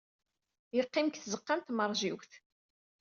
Yeqqim deg tzeɣɣa n tmeṛjiwt.